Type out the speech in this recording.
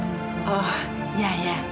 saya mau berpamitan dulu